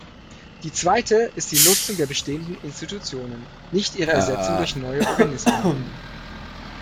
Die zweite ist die Nutzung der bestehenden Institutionen, nicht ihre Ersetzung durch neue Organismen.